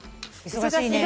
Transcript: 忙しいね。